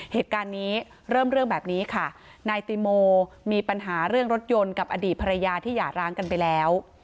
เหตุการณ์นี้เริ่มเรื่องแบบนี้ค่ะนายติโมมีปัญหาเรื่องรถยนต์กับอดีตภรรยาที่หย่าร้างกันไปแล้ว